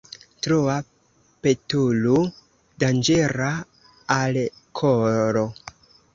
Troa petolo danĝera al kolo.